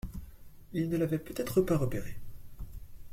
Ils ne l’avaient peut-être pas repéré.